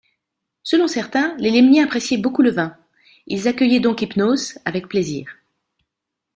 Selon certains, les Lemniens appréciaient beaucoup le vin, ils accueillaient donc Hypnos avec plaisir.